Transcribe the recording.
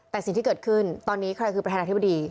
แต่สิ่งที่เกิดขึ้นตอนนี้ใครคือประธานาธิบดี